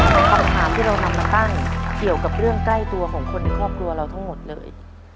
คำถามที่เรานำมาตั้งเกี่ยวกับเรื่องใกล้ตัวของคนในครอบครัวเราทั้งหมดเลย